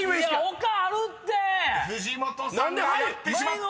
［藤本さんがやってしまった！］